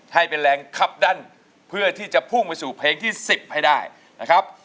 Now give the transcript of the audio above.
ให้เป็นแรงคับดันเพื่อที่จะพุ่งไปสู่เพลงที่๑๐ให้ได้นะครับ